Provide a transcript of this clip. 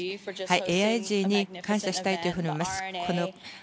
ＡＩＧに感謝したいと思います。